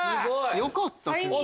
よかったけどな。